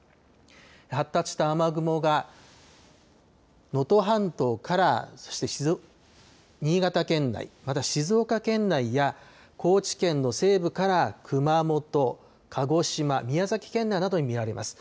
発達した雨雲が能登半島からそして静岡、新潟県内、また静岡県内や高知県の西部から熊本と鹿児島、宮崎県などに見られます。